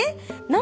何？